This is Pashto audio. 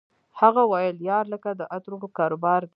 هغه ویل یار لکه د عطرو کاروبار دی